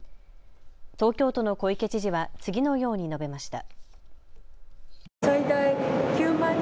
東京都の小池知事は次のように述べました。